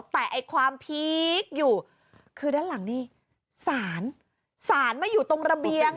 แต่ไอ้ความพีคอยู่คือด้านหลังนี่สารสารมาอยู่ตรงระเบียง